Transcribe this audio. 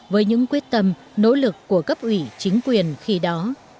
với những quyết tâm nỗ lực của cấp ủy chính quyền khi đó